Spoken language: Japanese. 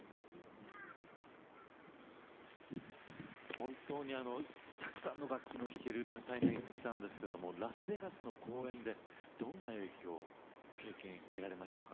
本当にたくさんの楽器の弾ける多才な五木さんですけれどもラスベガスの公演でどんな影響経験得られましたか？